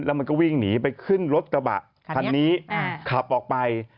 แล้วมันก็วิ่งหนีไปขึ้นรถกระบะคันนี้ขับออกไป